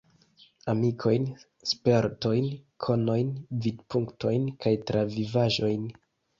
Amikojn, spertojn, konojn, vidpunktojn kaj travivaĵojn.